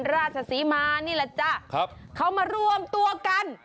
ราชศรีมานี่แหละจ้ะครับเขามารวมตัวกัน